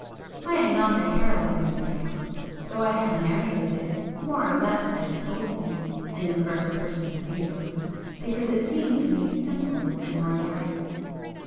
I am not the heroine of the tale though I have narrated it (more or less as told to me) in the first person singular, because it seemed to me simpler and more direct.